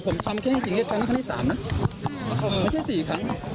ผมทำแค่อย่างจริงเนี้ยทั้งนี้สามนะไม่ใช่สี่ครั้ง